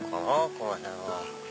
この辺は。